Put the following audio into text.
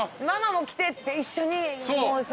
ママも来てって一緒に。